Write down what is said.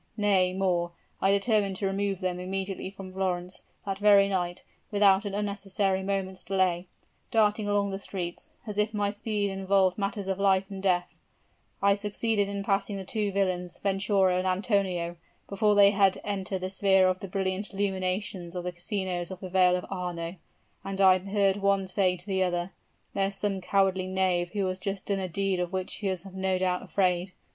Nay, more I determined to remove them immediately from Florence that very night without an unnecessary moment's delay. Darting along the streets, as if my speed involved matters of life and death, I succeeded in passing the two villains, Venturo and Antonio, before they had entered the sphere of the brilliant illuminations of the casinos in the vale of Arno; and I beard one say to the other, 'There's some cowardly knave who has just done a deed of which he is no doubt afraid.'